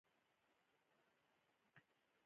پسرلی د افغانستان د صنعت لپاره مواد برابروي.